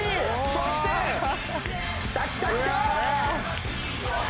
そしてきたきたきた！